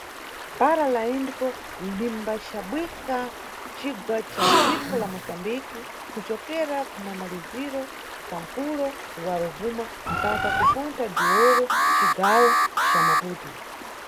Bhara la Indiko limbachabwika mcigwa ca dziko la Moçambike, kucokera ku mamaliziro kwa mkulo wa Rovuma mpaka ku Ponta do Ouro, mʼcigawo ca Maputo.